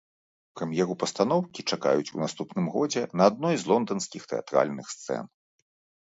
Прэм'еру пастаноўкі чакаюць у наступным годзе на адной з лонданскіх тэатральных сцэн.